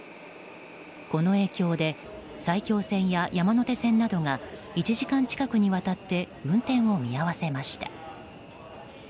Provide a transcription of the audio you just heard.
この影響で埼京線や山手線などが１時間近くにわたって運転を見合わせました。